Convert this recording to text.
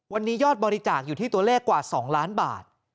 วันนี้ยอดบริจาคอยู่ที่ตัวเลขกว่า๒ล้านบาท